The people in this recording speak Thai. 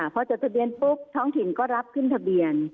พอจดทะเบียนปุ๊บท้องถิ่นก็รับขึ้นทะเบียน